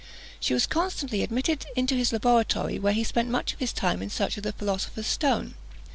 She was constantly admitted into his laboratory, where he spent much of his time in search of the philosopher's stone.